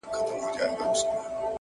اې گل گوتې څوڼې دې’ ټک کایتک کي مه اچوه